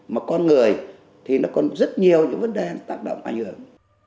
mà con người thì nó còn rất nhiều những vấn đề tác động ảnh hưởng